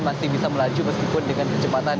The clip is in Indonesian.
masih bisa melaju meskipun dengan kecepatan